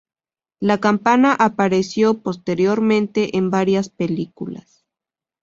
La Campana apareció posteriormente en varias películas.